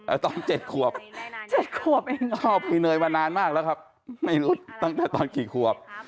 แล้วตอนเจ็ดขวบเจ็ดขวบเองอ๋อคือเนยมานานมากแล้วครับไม่รู้ตั้งแต่ตอนกี่ขวบ